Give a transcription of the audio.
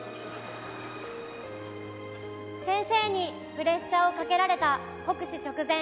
「先生にプレッシャーをかけられた国試直前」。